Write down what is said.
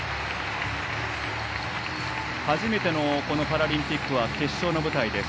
初めてのこのパラリンピックは決勝の舞台です。